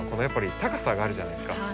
やっぱり高さがあるじゃないですか。